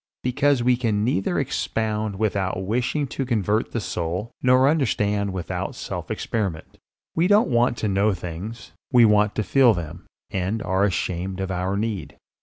Because we can neither expound without wishing to convert the soul, nor understand without self experiment. We don't want to know things, we want to feel them and are ashamed of our need.